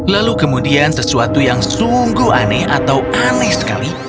lalu kemudian sesuatu yang sungguh aneh atau aneh sekali